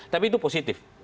tapi itu positif